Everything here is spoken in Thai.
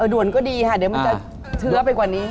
ด่วนก็ดีค่ะเดี๋ยวมันจะเชื้อไปกว่านี้